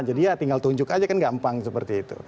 jadi ya tinggal tunjuk saja kan gampang seperti itu